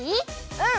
うん！